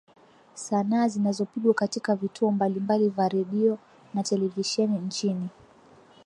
sanaa zinazopigwa katika vituo mbalimbali vya Redio na Televisheni nchini